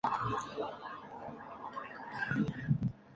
La nueva población no fue asimilada por completo.